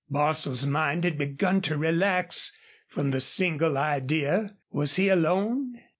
Bostil's mind had begun to relax from the single idea. Was he alone?